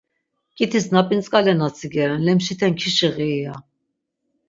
K̆itis nap̆intzk̆ale natsigeren, lemşiten kişiği iya!